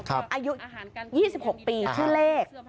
อายุ๒๖ปีที่เลข